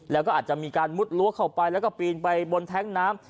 แล้วก็อาจจะมีการมุดรั้วเข้าไปแล้วก็ปีนไปบนแท้งน้ำ